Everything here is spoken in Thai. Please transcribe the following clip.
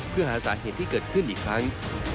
เพื่อหาสาเหตุที่เกิดขึ้นอีกครั้ง